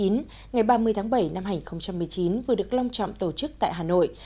ngày ba mươi tháng bảy năm hai nghìn một mươi chín vừa được long trọng tổ chức tại hà nội